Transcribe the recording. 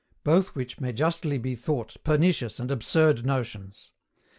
Both which may justly be thought pernicious and absurd notions.